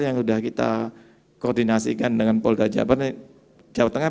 yang sudah kita koordinasikan dengan polda jawa tengah